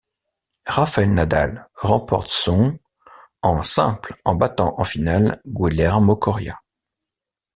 Rafael Nadal remporte son en simple en battant en finale Guillermo Coria.